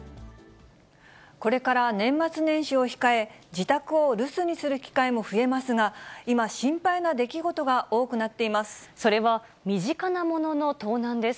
これから年末年始を控え、自宅を留守にする機会も増えますが、今、心配な出来事が多くなっそれは、身近なものの盗難です。